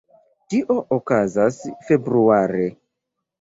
Tio okazas februare.